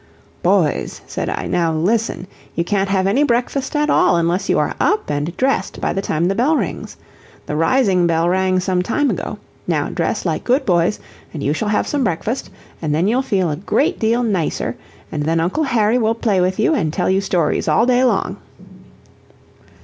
"Boys," said I, "now listen. You can't have any breakfast at all unless you are up and dressed by the time the bell rings. The rising bell rang some time ago. Now dress like good boys, and you shall have some breakfast, and then you'll feel a great deal nicer, and then Uncle Harry will play with you and tell you stories all day long."